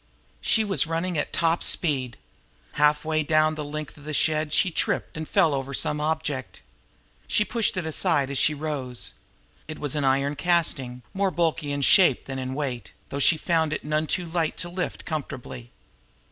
She was running at top speed. Halfway down the length of the shed she tripped and fell over some object. She pushed it aside as she rose. It was an old iron casting, more bulky in shape than in weight, though she found it none too light to lift comfortably.